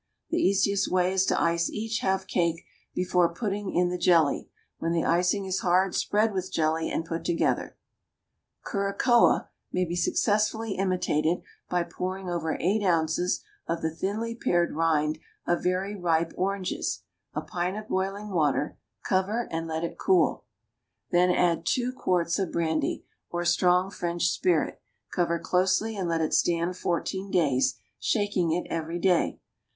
The easiest way is to ice each half cake before putting in the jelly; when the icing is hard spread with jelly, and put together. CURAÇOA may be successfully imitated by pouring over eight ounces of the thinly pared rind of very ripe oranges a pint of boiling water, cover, and let it cool; then add two quarts of brandy, or strong French spirit, cover closely, and let it stand fourteen days, shaking it every day.